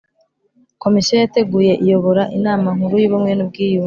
Komisiyo yateguye iyobora Inama Nkuru y Ubumwe n Ubwiyunge